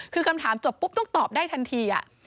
คือคำถามจบปุ๊บต้องตอบได้ทันที